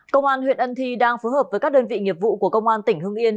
công an huyện ân thi đang phối hợp với các đơn vị nghiệp vụ của công an tỉnh hưng yên